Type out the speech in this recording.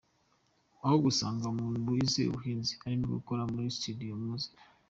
Ahubwo usanga umuntu wize ubuhinzi arimo gukora muri studio mu miziki.